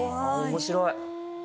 面白い！